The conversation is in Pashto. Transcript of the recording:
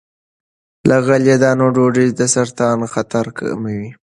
له غلې- دانو ډوډۍ د سرطان خطر کموي.